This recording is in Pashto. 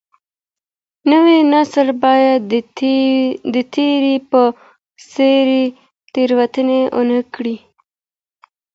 نوی نسل بايد د تېر په څېر تېروتني ونه کړي.